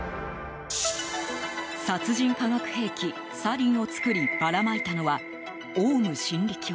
殺人化学兵器サリンを作りばらまいたのはオウム真理教。